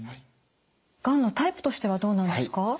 がんのタイプとしてはどうなんですか？